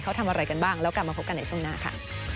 เขาทำอะไรกันบ้างแล้วกลับมาพบกันในช่วงหน้าค่ะ